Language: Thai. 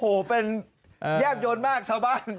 โอ้โหเป็นแย่มโยนมากชาวบ้าน